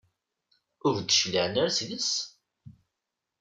Ur d-cliɛen ara seg-s?